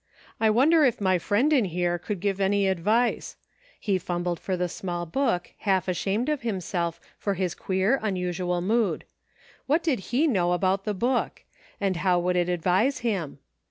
I wonder if my friend in here could give any advice ? He fum bled for the small book, half ashamed of him self for his queer, unusual mood. What did he know about the book .' And how could it advise him